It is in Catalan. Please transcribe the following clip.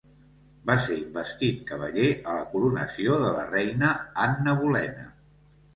Va ser investit cavaller a la coronació de la reina Anna Bolena.